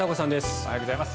おはようございます。